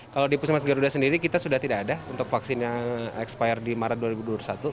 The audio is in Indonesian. kalau di puskesmas garuda sendiri kita sudah tidak ada untuk vaksin yang expire di maret dua ribu dua puluh satu